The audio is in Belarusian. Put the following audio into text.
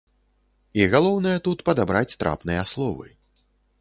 І галоўнае тут падабраць трапныя словы.